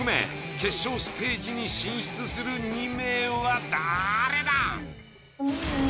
決勝ステージに進出する２名は誰だ？